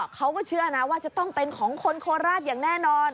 เขาก็เชื่อนะว่าจะต้องเป็นของคนโคราชอย่างแน่นอน